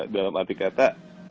dalam arti kata